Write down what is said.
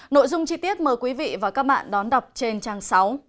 nội dung chi tiết mời quý vị và các bạn đón đọc trên trang sáu